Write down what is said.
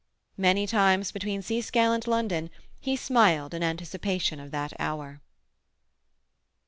Many times between Seascale and London he smiled in anticipation of that hour.